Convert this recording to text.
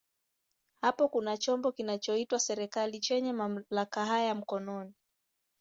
Hapo kuna chombo kinachoitwa serikali chenye mamlaka haya mkononi.